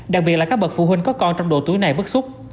đặc biệt là các bậc phụ huynh có con trong độ tuổi này bức xúc